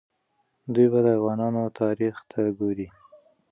دوی به د افغانانو تاریخ ته ګوري.